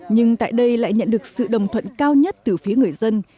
nhưng tại đây lại nhận được sự đồng thuận cao nhất từ phía người dân